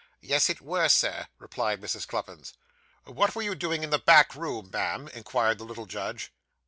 'Yes, it were, Sir,' replied Mrs. Cluppins. 'What were you doing in the back room, ma'am?' inquired the little judge.